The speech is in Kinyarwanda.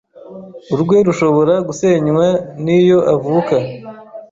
Urwe rushobora gusenywa n’iyo avuka